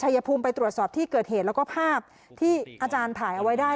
ชายภูมิไปตรวจสอบที่เกิดเหตุแล้วก็ภาพที่อาจารย์ถ่ายเอาไว้ได้